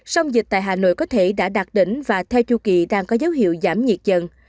sông dịch tại hà nội có thể đã đạt đỉnh và theo chu kỳ đang có dấu hiệu giảm nhiệt dần